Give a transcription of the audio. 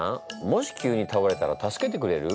もし急にたおれたら助けてくれる？